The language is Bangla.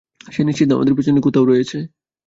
সে নিশ্চিত আমাদের পেছনে কোথাও রয়েছে।